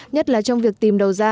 nhất là trong việc tìm đầu ra